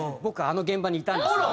あの現場にいたんですよ。